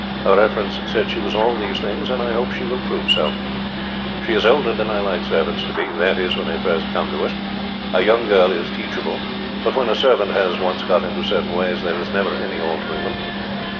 Her reference said she was all these things, and I hope she will prove so. She is older than I like servants to be, that is, when they first come to us. A young girl is teachable, but when a servant has once got into certain ways there is never any altering them.